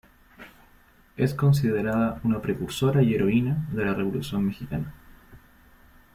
Es considerada una precursora y heroína de la Revolución Mexicana.